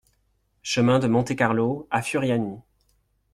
Chemin de Monte-Carlo à Furiani